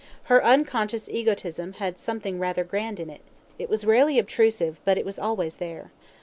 Her unconscious egotism had something rather grand in it; it was rarely obtrusive, but it was always there.